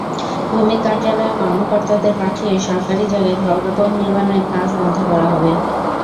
ভূমি কার্যালয়ের কর্মকর্তাদের পাঠিয়ে সরকারি জায়গায় ভবন নির্মাণের কাজ বন্ধ করা হবে।